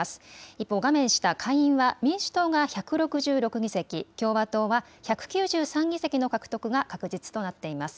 一方、画面下、下院は民主党が１６６議席、共和党は１９３議席の獲得が確実となっています。